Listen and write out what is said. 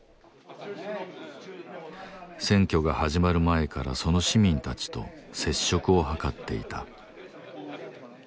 選挙が始まる前からその市民たちと接触を図っていた。